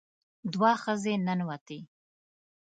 دوه ښځې ننوتې.